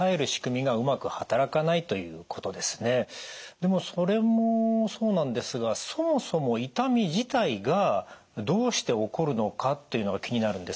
でもそれもそうなんですがそもそも痛み自体がどうして起こるのかというのが気になるんですが。